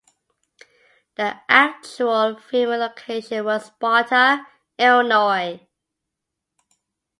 The actual filming location was Sparta, Illinois.